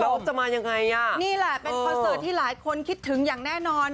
จะมายังไงอ่ะนี่แหละเป็นคอนเสิร์ตที่หลายคนคิดถึงอย่างแน่นอน